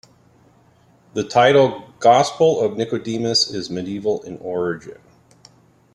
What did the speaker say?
The title "Gospel of Nicodemus" is medieval in origin.